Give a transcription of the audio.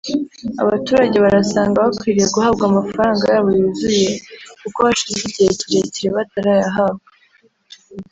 abaturage barasanga bakwiriye guhabwa amafaranga yabo yuzuye kuko hashize igihe kirekire batarayahabwa